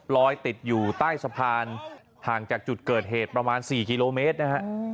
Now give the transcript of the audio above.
ลอยติดอยู่ใต้สะพานห่างจากจุดเกิดเหตุประมาณ๔กิโลเมตรนะฮะ